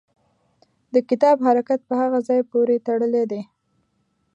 د کتاب حرکت په هغه ځای پورې تړلی دی.